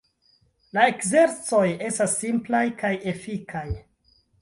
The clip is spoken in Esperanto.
La ekzercoj estas simplaj kaj efikaj.